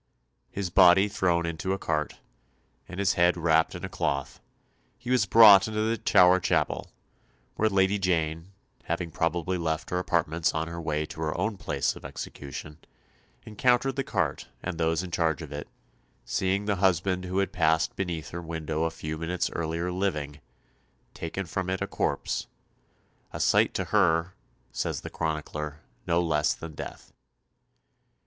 His body thrown into a cart, and his head wrapped in a cloth, he was brought into the Tower chapel, where Lady Jane, having probably left her apartments on her way to her own place of execution, encountered the cart and those in charge of it, seeing the husband who had passed beneath her window a few minutes earlier living, taken from it a corpse a sight to her, says the chronicler, no less than death.